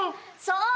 そう！